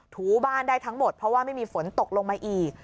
ถูบ้านได้ทั้งหมดเพราะว่าไม่มีฝนตกลงมาอีก